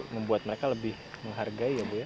membuat mereka lebih menghargai ya bu ya